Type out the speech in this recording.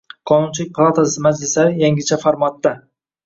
Qonunchilik palatasi majlislari – yangicha formatdang